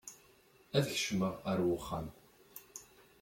Ad kecmeɣ ar wexxam.